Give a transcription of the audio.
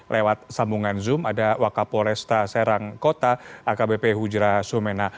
lewat sambungan zoom ada wakapolresta serang kota akbp hujra sumena